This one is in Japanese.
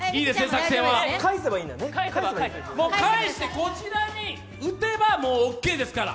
返して、こちらに打てばオーケーですから。